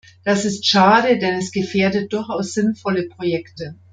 Das ist schade, denn es gefährdet durchaus sinnvolle Projekte.